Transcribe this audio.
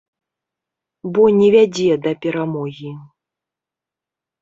Бо не вядзе да перамогі.